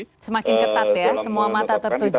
oke semakin ketat ya semua mata tertuju